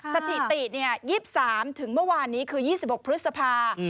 สถิติ๒๓ถึงเมื่อวานนี้คือ๒๖พฤษภา